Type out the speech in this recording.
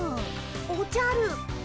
おじゃる。